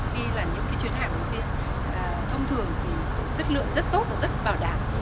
khi là những cái chuyến hàng đầu tiên thông thường thì chất lượng rất tốt và rất bảo đảm